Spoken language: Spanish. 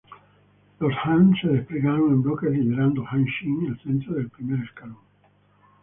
Los Han se desplegaron en bloques, liderando Han Xin el centro del primer escalón.